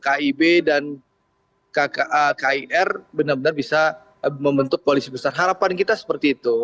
kib dan kir benar benar bisa membentuk koalisi besar harapan kita seperti itu